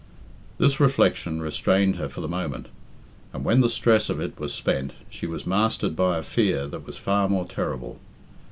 This reflection restrained her for the moment, and when the stress of it was spent she was mastered by a fear that was far more terrible.